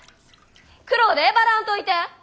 苦労でえばらんといて！